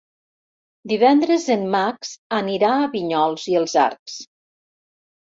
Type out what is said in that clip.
Divendres en Max anirà a Vinyols i els Arcs.